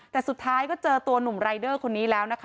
แต่สุดท้ายก็เจอตัวหนุ่มรายเดอร์คนนี้แล้วนะคะ